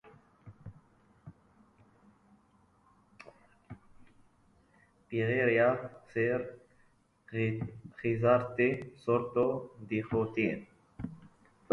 Begira zer gizarte sortu diguten!